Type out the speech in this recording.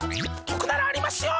とくならありますよ！